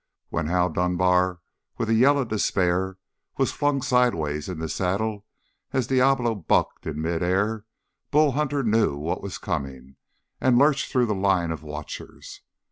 When Hal Dunbar with a yell of despair was flung sidewise in the saddle as Diablo bucked in mid air, Bull Hunter knew what was coming and lurched through the line of watchers.